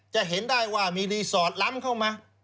จะเห็นได้ว่ามีรีสอร์ทล้ำเข้ามา